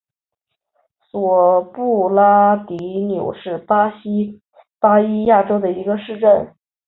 索布拉迪纽是巴西巴伊亚州的一个市镇。